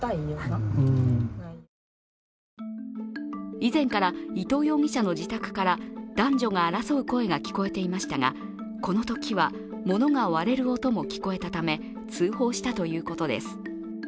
以前から伊藤容疑者の自宅から男女が争う声が聞こえていましたがこのときは物が割れる音も聞こえたため、通報したということです。